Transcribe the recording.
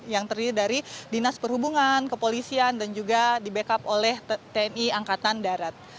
yang terdiri dari dinas perhubungan kepolisian dan juga di backup oleh tni angkatan darat